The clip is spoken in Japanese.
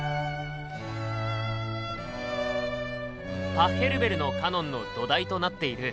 パッヘルベルの「カノン」の土台となっている